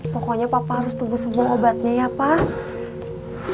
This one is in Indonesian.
pokoknya papa harus tunggu semua obatnya ya pak